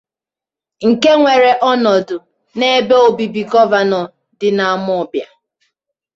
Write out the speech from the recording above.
nke weere ọnọdụ n'ebe obibi gọvanọ dị n'Amawbịa